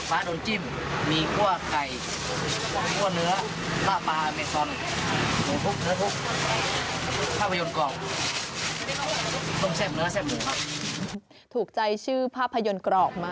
พี่อยู่ในริมประหว่างฝีมือเขา